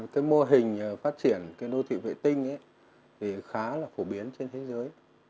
cái mô hình phát triển cái đô thị vệ tinh thì khá là phổ biến trên thế giới